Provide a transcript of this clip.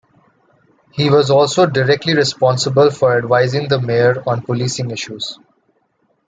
He was also directly responsible for advising the Mayor on policing issues.